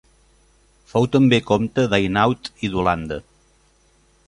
Fou també comte d'Hainaut i d'Holanda.